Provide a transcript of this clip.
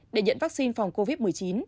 để nhận vaccine phòng covid một mươi chín